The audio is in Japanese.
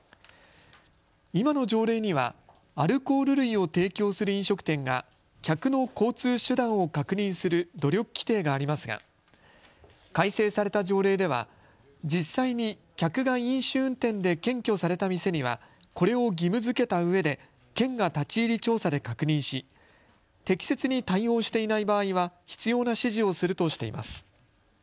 今の条例にはアルコール類を提供する飲食店が客の交通手段を確認する努力規定がありますが改正された条例では実際に客が飲酒運転で検挙された店にはこれを義務づけたうえで県が立ち入り調査で確認し適切に対応していない場合は必要な指示をするとしています。